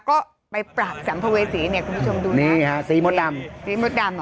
ก็ไปปรากษัมภเวศีเนี่ยคุณผู้ชมดูนะสีมดดำสีมดดำเหรอสีมดดำ